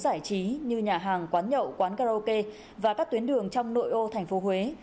giải trí như nhà hàng quán nhậu quán karaoke và các tuyến đường trong nội ô tp huế